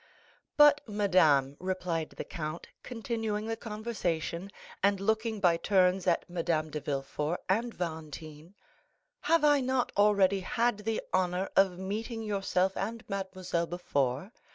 "But, madame," replied the count, continuing the conversation, and looking by turns at Madame de Villefort and Valentine, "have I not already had the honor of meeting yourself and mademoiselle before?